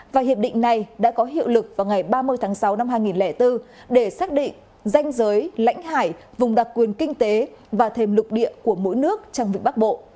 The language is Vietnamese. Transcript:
và hiệp định này đã có hiệu lực vào ngày ba mươi tháng sáu năm hai nghìn bốn để xác định danh giới lãnh hải vùng đặc quyền kinh tế và thềm lục địa của mỗi nước trong vịnh bắc bộ